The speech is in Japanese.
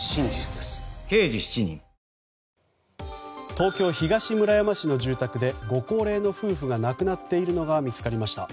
東京・東村山市の住宅でご高齢の夫婦が亡くなっているのが見つかりました。